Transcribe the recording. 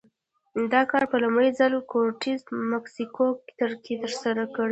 دا کار په لومړي ځل کورټز په مکسیکو کې ترسره کړی و.